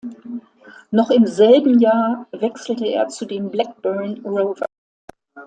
Noch im selben Jahr wechselte er zu den Blackburn Rovers.